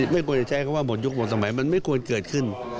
ไม่ควรจะใช้คำว่าหมดยุคหมดสมัยมันไม่ควรเกิดขึ้น